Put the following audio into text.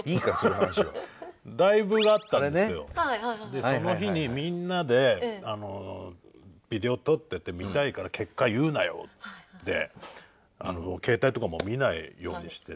で、その日にみんなでビデオ撮ってて見たいから結果言うなよって言って携帯とかも見ないようにしてて。